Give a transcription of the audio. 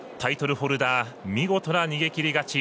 ホルダー見事な逃げきり勝ち。